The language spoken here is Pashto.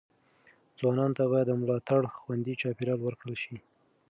ځوانانو ته باید د ملاتړ خوندي چاپیریال ورکړل شي.